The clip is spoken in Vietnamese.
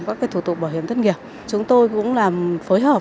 các cái thủ tục bảo hiểm thất nghiệp chúng tôi cũng làm phối hợp